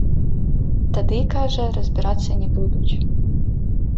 Тады, кажа, разбірацца не будуць.